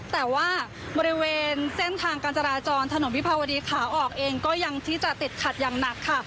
แต่ว่าบริเวณเส้นทางการจราจรถนนวิภาวดีขาออกเองก็ยังที่จะติดขัดอย่างหนักค่ะ